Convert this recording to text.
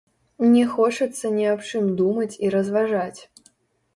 Не хочацца ні аб чым думаць і разважаць.